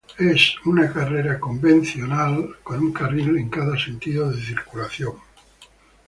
Es una carretera convencional con un carril en cada sentido de circulación.